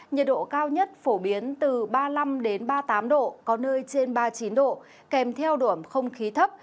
nhiệt độ cao nhất phổ biến từ ba mươi năm ba mươi tám độ có nơi trên ba mươi chín độ kèm theo đuổm không khí thấp